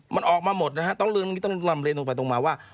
มันออกมาหมดนะฮะต้องเรียนตรงไปตรงมาว่า